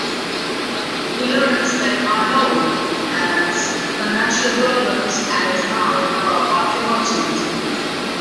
He learns that Arnoux has financial problems and is now a pottery merchant.